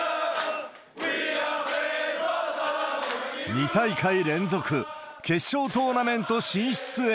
２大会連続決勝トーナメント進出へ。